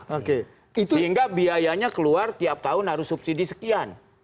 sehingga biayanya keluar tiap tahun harus subsidi sekian